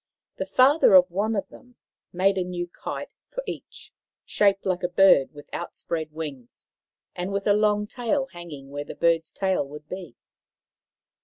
The father of one of them made a new kite for each, shaped like a bird with outspread wings, and with a long tail hanging where the bird's tail would be.